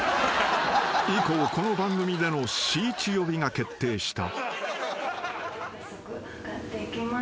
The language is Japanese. ［以降この番組でのしーち呼びが決定した］